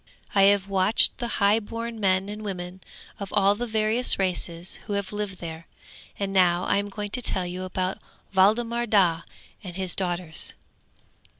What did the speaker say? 'I have watched the highborn men and women of all the various races who have lived there, and now I am going to tell you about Waldemar Daa and his daughters!